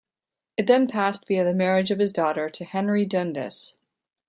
It then passed via the marriage of his daughter to Henry Dundas.